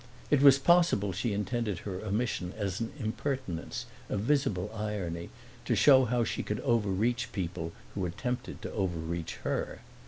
It was possible she intended her omission as an impertinence, a visible irony, to show how she could overreach people who attempted to overreach her.